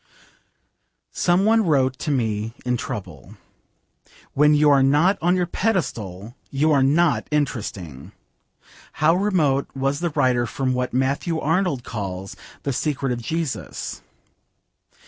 Some one wrote to me in trouble, 'When you are not on your pedestal you are not interesting.' How remote was the writer from what Matthew Arnold calls 'the Secret of Jesus.'